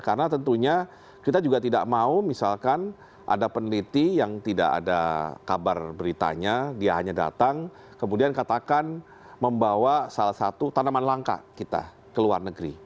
karena tentunya kita juga tidak mau misalkan ada peneliti yang tidak ada kabar beritanya dia hanya datang kemudian katakan membawa salah satu tanaman langka kita ke luar negeri